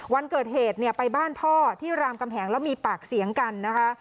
วันเกิดเหตุเนี่ยไปบ้านพ่อที่รามกำแหงแล้วมีปากเสียงกันนะคะ